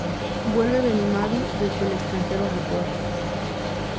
Vuelve Benimaru desde el extranjero a Japón.